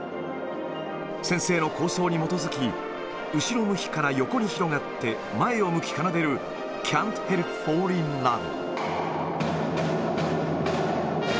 先生の構想に基づき、後ろ向きから横に広がって、前を向き奏でる、キャント・ヘルプ・フォーリン・ラブ。